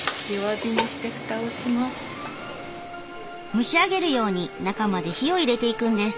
蒸し上げるように中まで火を入れていくんです。